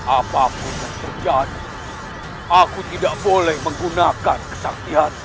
apapun yang terjadi aku tidak boleh menggunakan kesaktian